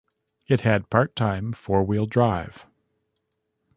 It had part-time four-wheel drive.